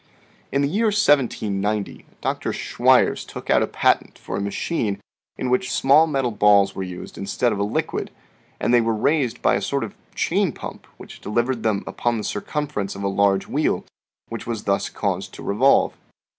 In the year 1790 a Doctor Schweirs took out a patent for a machine in which small metal balls were used instead of a liquid, and they were raised by a sort of chain pump which delivered them upon the circumference of a large wheel, which was thus caused to revolve.